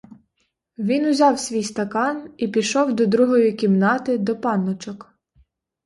Він узяв свій стакан і пішов до другої кімнати до панночок.